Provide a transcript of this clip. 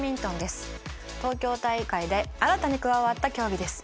東京大会で新たに加わった競技です。